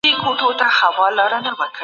فیوډالي نظام د علم د پراختیا خنډ و.